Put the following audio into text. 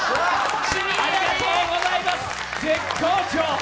ありがとうございます、絶好調。